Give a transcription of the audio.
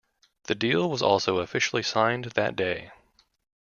The deal was also officially signed that day.